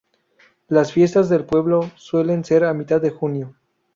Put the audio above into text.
Las fiestas del pueblo suelen ser a mitad de junio.